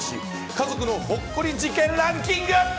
家族のほっこり事件ランキング。